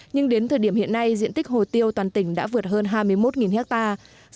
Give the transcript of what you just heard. nhưng đến thời điểm hiện nay diện tích hồ tiêu toàn tỉnh đã vượt hơn hai mươi một hectare